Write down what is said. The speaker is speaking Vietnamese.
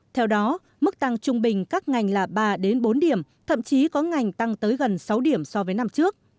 theo đó mức tăng trung bình các ngành là ba bốn điểm thậm chí có ngành tăng tới gần sáu điểm so với năm trước